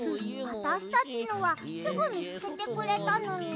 あたしたちのはすぐみつけてくれたのに。